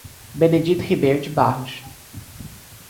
Benedito Ribeiro de Barros